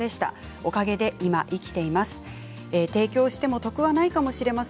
おかげで今、生きています。